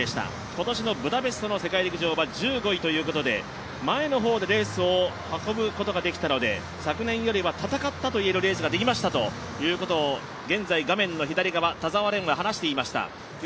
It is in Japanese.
今年のブダペストの世界陸上は１５位ということで前の方でレースを運ぶことができたので、昨年よりは戦ったレースができましたと、現在、画面の左側、田澤廉は話していました。